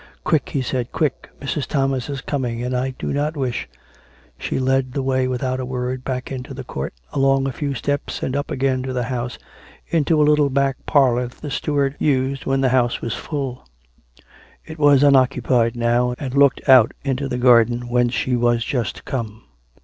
" Quick !" he said. " Quick ! Mrs. Thomas is coming, and I do not wish " She led the way without a word back into the court, 24& COME RACK! COME ROPE! 247 along a few steps, and up again to the house into a little back parlour that the steward used when the house was full. It was unoccupied now, and looked out into the garden whence she was just come.